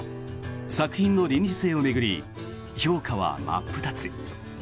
作品の倫理性を巡り評価は真っ二つ。